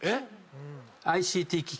ＩＣＴ機器